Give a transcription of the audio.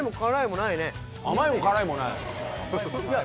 甘いも辛いもない？